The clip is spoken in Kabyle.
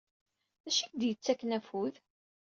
D acu i ak-d-yettakken afud?